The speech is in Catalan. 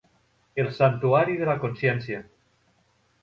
El santuari de la consciència.